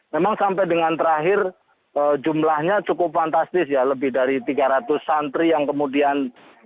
memang sampai dengan terakhir jumlahnya cukup fantastis ya lebih dari tiga ratus santri yang kemudian